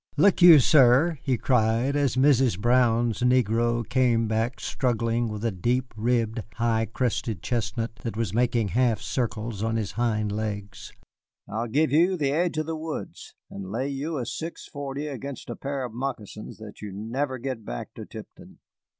Look you, sir," he cried, as Mrs. Brown's negro came back struggling with a deep ribbed, high crested chestnut that was making half circles on his hind legs, "I'll give you to the edge of the woods, and lay you a six forty against a pair of moccasins that you never get back to Tipton."